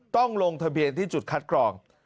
ต้องลงทะเบียนที่จุดคัดกรอง